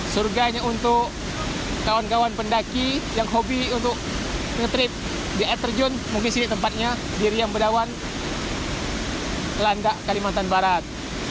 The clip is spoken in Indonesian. surganya untuk kawan kawan pendaki yang hobi untuk nge trip di air terjun mungkin sini tempatnya di riam bedawan landak kalimantan barat